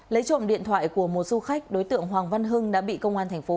lấy trộm điện thoại của một du khách đối tượng hoàng văn hưng đã bị công an thành phố